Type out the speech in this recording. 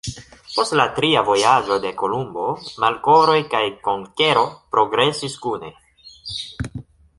Post la tria vojaĝo de Kolumbo, malkovroj kaj konkero progresis kune.